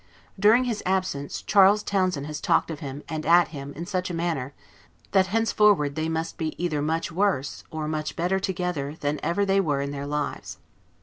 During his absence, Charles Townshend has talked of him, and at him, in such a manner, that henceforward they must be either much worse or much better together than ever they were in their lives.